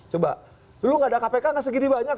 coba lu gak ada kpk nggak segini banyak